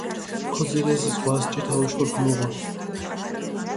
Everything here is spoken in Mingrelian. ქოძირეს, ზღვას ჭითა უშქური ქჷმუღუნი.